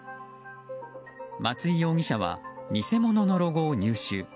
松井容疑者は、偽物のロゴを入手。